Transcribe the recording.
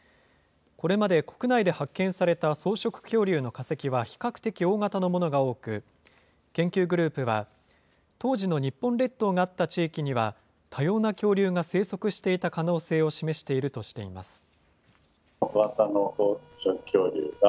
これまで国内で発見された草食恐竜の化石は、比較的大型のものが多く、研究グループは、当時の日本列島があった地域には、多様な恐竜が生息していた可能性を示しているとしています。